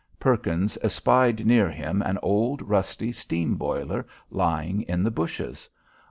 Perkins espied near him an old, rusty steam boiler lying in the bushes.